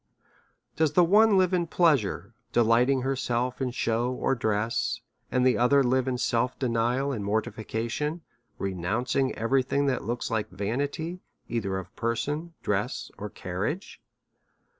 Does the one live in pleasure, delighting herself in show or dress, and the other live in self denial and mortifica tion, renouncing every thing that looks like vanity ei ther of person, dress, or carriage?